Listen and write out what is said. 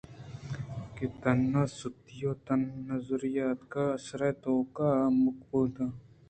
کہ تنا سُدّی ءَ تانزی اتک ءُ آئی ءِ سرئے توک ءَ مِکّ بُوتنت